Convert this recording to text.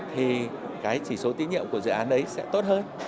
thì cái chỉ số tín nhiệm của dự án đấy sẽ tốt hơn